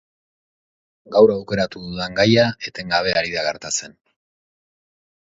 Gaur aukeratu dudan gaia etengabe ari da gertatzen.